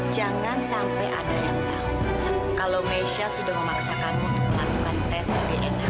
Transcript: jangan sampai ada yang tahu kalau mesha sudah memaksa kami untuk melakukan tes antigen